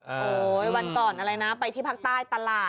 โอ้โหวันก่อนอะไรนะไปที่ภาคใต้ตลาด